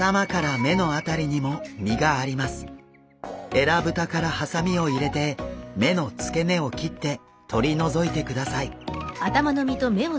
えらぶたからハサミを入れて目の付け根を切ってとり除いてください。